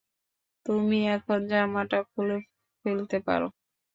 তুমি এখন জামাটা খুলে ফেলতে পারো।